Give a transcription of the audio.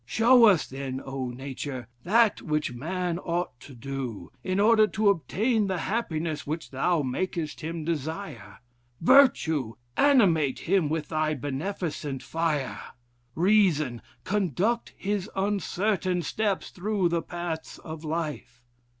Show us, then, oh! Nature! that which man ought to do, in order to obtain the happiness which thou makest him desire. Virtue! animate him with thy beneficent fire! Reason! conduct his uncertain steps through the paths of life.